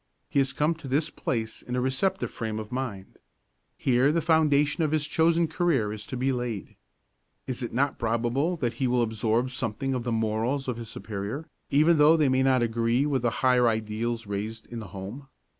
He has come to this place in a receptive frame of mind. Here the foundation of his chosen career is to be laid. Is it not probable that he will absorb something of the morals of his superior, even though they may not agree with the higher ideals raised in the home?